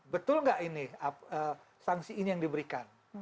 betul nggak ini sanksi ini yang diberikan